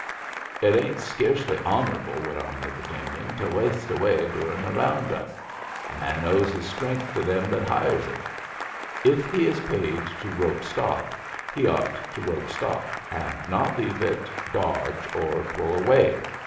"It ain't sca'cely hon'able," went on the Virginian, "to waste away durin' the round up. A man owes his strength to them that hires it. If he is paid to rope stock he ought to rope stock, and not leave it dodge or pull away."